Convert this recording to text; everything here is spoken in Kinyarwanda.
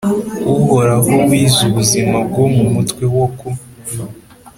Uhoraho wize ubuzima bwo mu mutwe wo ku